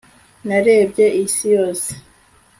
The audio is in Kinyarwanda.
Narebye isi yose